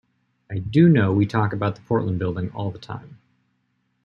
I do know we talk about the Portland Building all the time.